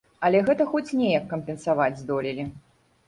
Але гэта хоць неяк кампенсаваць здолелі.